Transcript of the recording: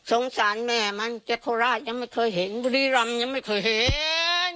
สงสารแม่มันจากโคราชยังไม่เคยเห็นบุรีรำยังไม่เคยเห็น